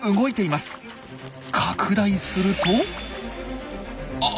拡大するとあ！